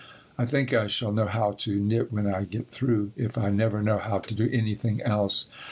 I think I shall know how to knit when I get through, if I never know how to do anything else.